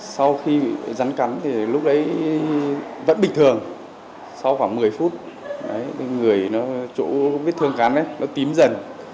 sau khi bị rắn cắn thì lúc đấy vẫn bình thường sau khoảng một mươi phút chỗ vết thương cắn nó tím dần